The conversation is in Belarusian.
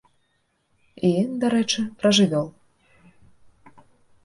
І, дарэчы, пра жывёл.